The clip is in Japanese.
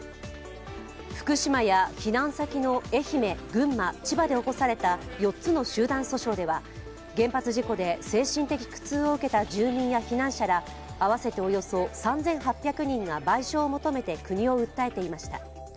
福島や避難先の愛媛、群馬、千葉で起こされた４つの集団訴訟では原発事故で精神的苦痛を受けた住民や避難者ら合わせておよそ３８００人が賠償を求めて国を訴えていました。